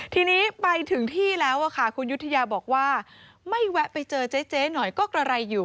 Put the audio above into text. ทีนี้ไปถึงที่แล้วค่ะคุณยุธยาบอกว่าไม่แวะไปเจอเจ๊หน่อยก็กระไรอยู่